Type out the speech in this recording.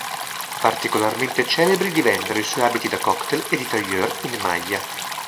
Particolarmente celebri divennero i suoi abiti da cocktail ed i tailleur in maglia.